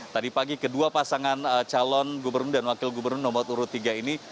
tadi pagi kedua pasangan calon gubernur dan wakil gubernur nomor urut tiga ini